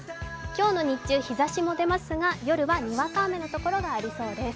今日の日中、日ざしも出ますが、夜はにわか雨のところがありそうです。